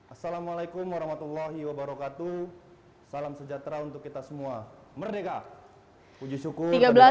assalamualaikum warahmatullahi wabarakatuh salam sejahtera untuk kita semua merdeka